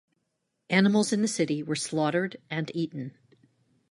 Animals in the city were slaughtered and eaten.